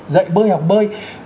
dạy bơi học bơi